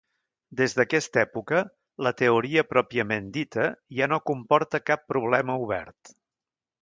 Des d'aquesta època, la teoria pròpiament dita ja no comporta cap problema obert.